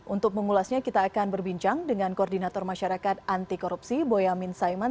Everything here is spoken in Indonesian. untuk mengulasnya kita akan berbincang dengan koordinator masyarakat anti korupsi boyamin saiman